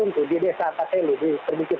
di perbukitan desa atateli